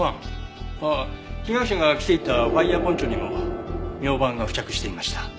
被害者が着ていたファイヤーポンチョにもみょうばんが付着していました。